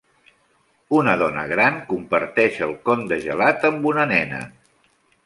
Una dona gran comparteix el con de gelat amb una nena.